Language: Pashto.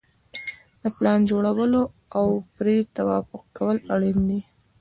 د پلان جوړول او پرې توافق کول اړین دي.